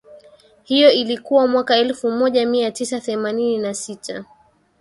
Hiyo ilikuwa mwaka elfu moja mia tisa themanini na sita